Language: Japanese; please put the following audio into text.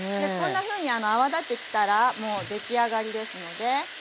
こんなふうに泡立ってきたらもう出来上がりですので。